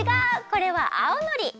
これはあおのり。